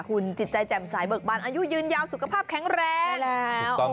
คุณจิตใจแจ่มสายเบิกบันอายุยืนยาวสุขภาพแข็งแรงแล้ว